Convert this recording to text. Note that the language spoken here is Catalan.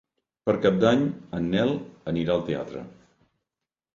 Per Cap d'Any en Nel anirà al teatre.